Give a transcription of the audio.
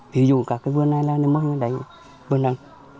ví dụ cả cái vườn này là mô hình này vườn này